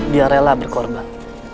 dia rela berkorban